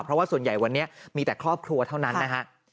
เพราะว่าส่วนใหญ่วันนี้มีแต่ครอบครัวเท่านั้นนะฮะ